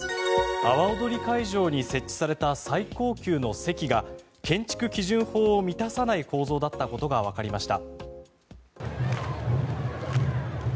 阿波おどり会場に設置された最高級の席が建築基準法を満たさない構造だったことがわかりました。